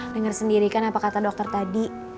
dengar sendiri kan apa kata dokter tadi